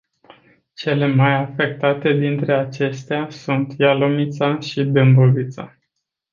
Cele mai afectate dintre acestea sunt Ialomița și Dâmbovița.